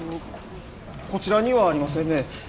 こちらにはありませんね。